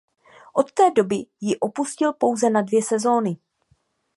Od té doby ji opustil pouze na dvě sezóny.